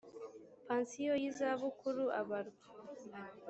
pansiyo y’izabukuru abarwa